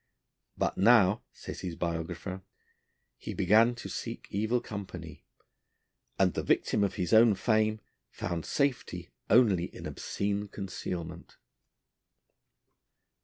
But now, says his biographer, he began to seek evil company, and, the victim of his own fame, found safety only in obscene concealment.